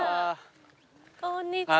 こんにちは。